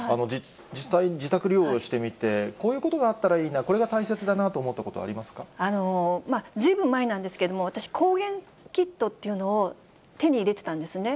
実際、自宅療養してみて、こういうことがあったらいいな、これがずいぶん前なんですけれども、私、抗原キットっていうのを手に入れてたんですね。